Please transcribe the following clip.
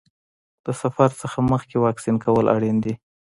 د سفر نه مخکې واکسین کول اړین دي.